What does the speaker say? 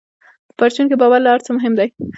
په پرچون کې باور له هر څه مهم دی.